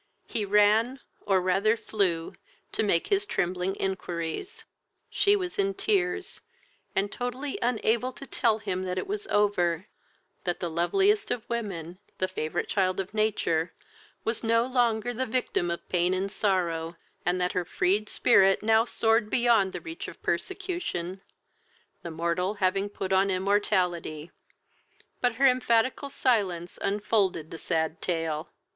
He ran, or rather flew, to make his trembling inquiries. She was in tears, and totally unable to tell him that it was over, that the loveliest of women, the favourite child of nature, was no longer the victim of pain and sorrow, and that her freed spirit now soared beyond the reach of persecution, "the mortal having put on immortality;" but her emphatical silence unfolded the sad tale.